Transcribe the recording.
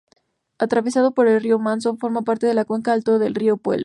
Atravesado por el río Manso, forma parte de la cuenca alta del río Puelo.